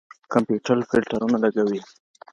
کمپيوټر فلټرونه لګوي.